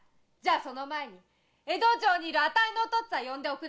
その前に江戸城にいるあたいのお父っつぁん呼んでよ。